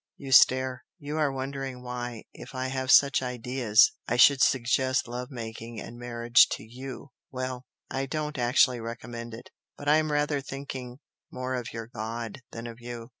you stare! you are wondering why, if I have such ideas, I should suggest love making and marriage to YOU, well, I don't actually recommend it! but I'm rather thinking more of your 'god' than of you.